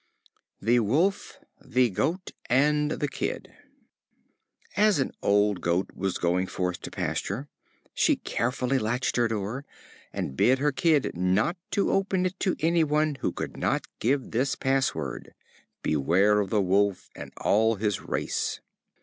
The Wolf, the Goat and the Kid. As an old Goat was going forth to pasture, she carefully latched her door, and bid her kid not to open it to any one who could not give this pass word: "Beware of the Wolf and all his race."